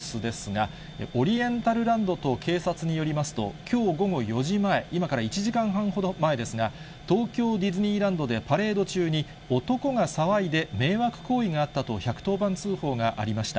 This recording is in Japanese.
これは現在の東京ディズニーランドの様子ですが、オリエンタルランドと警察によりますと、きょう午後４時前、今から１時間半ほど前ですが、東京ディズニーランドでパレード中に、男が騒いで迷惑行為があったと、１１０番通報がありました。